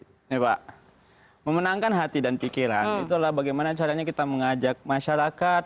ini pak memenangkan hati dan pikiran itu adalah bagaimana caranya kita mengajak masyarakat